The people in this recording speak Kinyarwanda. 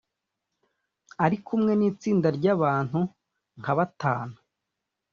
Ari kumwe n’itsinda ry’abantu nka batanu